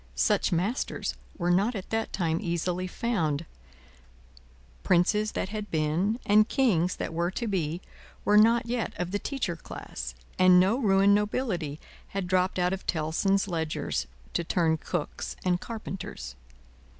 Such masters were not at that time easily found; Princes that had been, and Kings that were to be, were not yet of the Teacher class, and no ruined nobility had dropped out of Tellson's ledgers, to turn cooks and carpenters.